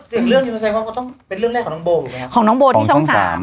เป็นเรื่องแรกของน้องโบของน้องโบที่ช่อง๓